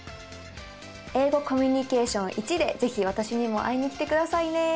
「英語コミュニケーションⅠ」で是非私にも会いに来てくださいね。